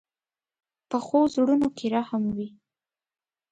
پخو زړونو کې رحم وي